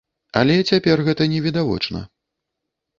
Але цяпер гэта не відавочна.